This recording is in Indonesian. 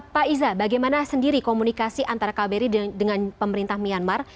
pak iza bagaimana sendiri komunikasi antara kbri dengan pemerintah myanmar